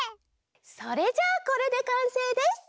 それじゃあこれでかんせいです！